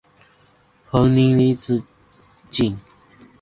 彭宁离子阱。